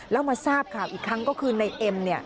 แล้วมาทราบข่าวอีกครั้งก็คือในเอ็ม